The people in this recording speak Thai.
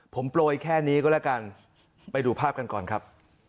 ผมโปรยแค่นี้ก็แล้วกันไปดูภาพกันก่อนครับ